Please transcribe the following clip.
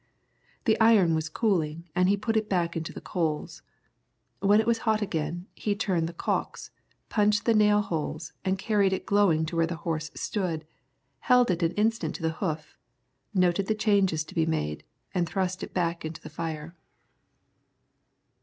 The iron was cooling, and he put it back into the coals. When it was hot again, he turned the calks, punched the nail holes and carried it glowing to where the horse stood, held it an instant to the hoof, noted the changes to be made, and thrust it back into the fire.